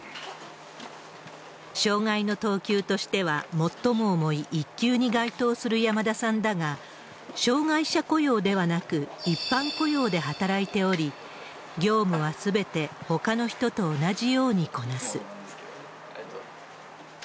障害の等級としては最も重い１級に該当する山田さんだが、障害者雇用ではなく、一般雇用で働いており、業務はすべてほかの人と同じようにこなす。